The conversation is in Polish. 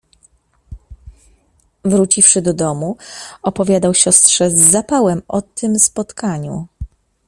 Wróciwszy do domu, opowiadał siostrze z zapałem o tym spotkaniu.